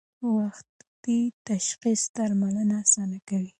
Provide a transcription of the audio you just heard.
وختي تشخیص درملنه اسانه کوي.